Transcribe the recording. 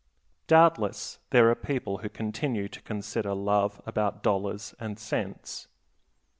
Doubtless there are people who continue to consider love above dollars and cents.